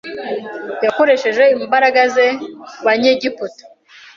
yakoresheje imbaraga ze ku Banyegiputa